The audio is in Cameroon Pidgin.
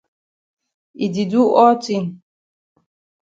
E di do all tin.